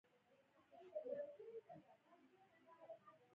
که مې کتاب رااخيست دوه درې کرښې به مې ولوستلې.